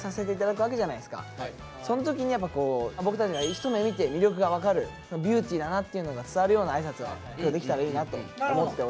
その時に僕たちが一目見て魅力が分かるビューティーだなっていうのが伝わるような挨拶が今日できたらいいなって思っております。